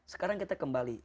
sekarang kita kembali